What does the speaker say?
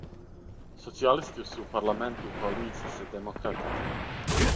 Социјалисти су у парламенту у коалицији са демократама.